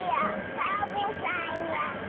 サボさんや。